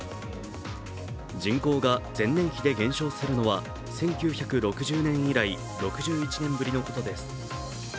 人口が前年比で減少するのは１９６１年以来、６１年ぶりのことです。